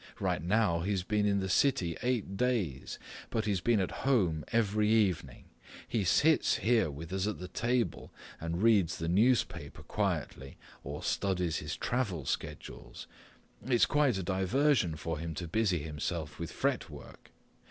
Right now he's been in the city eight days, but he's been at home every evening. He sits here with us at the table and reads the newspaper quietly or studies his travel schedules. It's a quite a diversion for him to busy himself with fretwork.